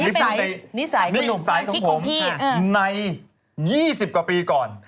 นิ่งใสของผมใน๒๐กว่าปีก่อน